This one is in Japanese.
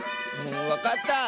わかった！